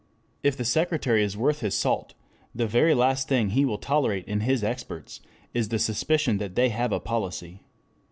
If the Secretary is worth his salt, the very last thing he will tolerate in his experts is the suspicion that they have a "policy."